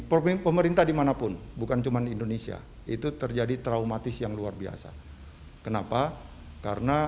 problem pemerintah dimanapun bukan cuman indonesia itu terjadi traumatis yang luar biasa kenapa karena